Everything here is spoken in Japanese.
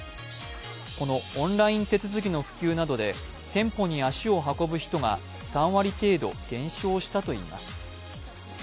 このオンライン手続きの普及などで店舗に足を運ぶ人が３割程度、減少したといいます。